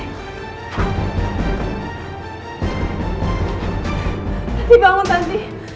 hati bangun tanti